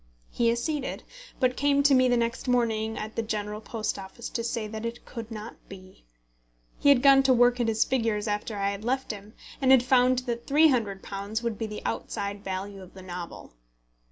He acceded, but came to me the next morning at the General Post Office to say that it could not be. He had gone to work at his figures after I had left him, and had found that £300 would be the outside value of the novel.